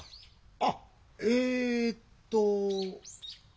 あっえっと。